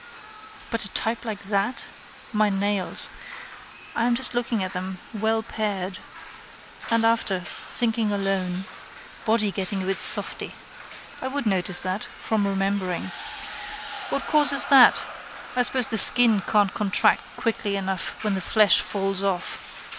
But a type like that. My nails. I am just looking at them: well pared. And after: thinking alone. Body getting a bit softy. I would notice that: from remembering. What causes that? I suppose the skin can't contract quickly enough when the flesh falls off.